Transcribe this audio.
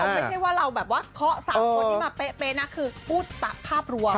ไม่ใช่ว่าเราแบบว่าเคาะ๓คนที่มาเป๊ะนะคือพูดภาพรวม